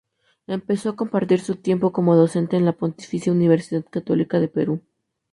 Empezó a compartir su tiempo como docente en la Pontificia Universidad Católica del Perú.